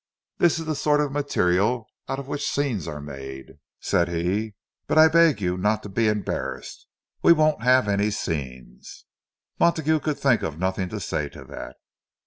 "This is the sort of material out of which scenes are made," said he. "But I beg you not to be embarrassed—we won't have any scenes." Montague could think of nothing to say to that.